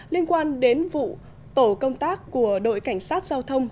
liên quan đến vụ tổ công tác của đội cảnh sát giao thông